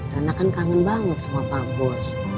karena kan kangen banget sama pak bos